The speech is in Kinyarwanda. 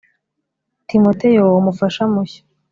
timoteyo, umufasha mushya